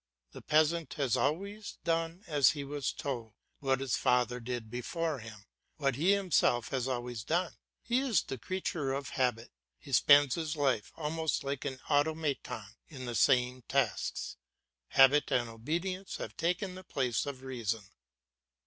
The peasant has always done as he was told, what his father did before him, what he himself has always done; he is the creature of habit, he spends his life almost like an automaton on the same tasks; habit and obedience have taken the place of reason.